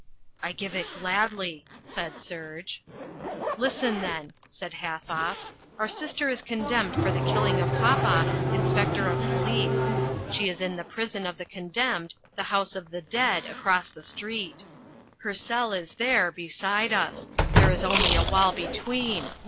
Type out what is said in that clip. "I give it gladly," said Serge. "Listen then," said Halfoff. "Our sister is condemned for the killing of Popoff, inspector of police. She is in the prison of the condemned, the house of the dead, across the street. Her cell is there beside us. There is only a wall between.